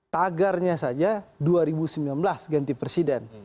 tagarnya saja dua ribu sembilan belas ganti presiden